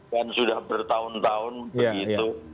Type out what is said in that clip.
dan sudah bertahun tahun begitu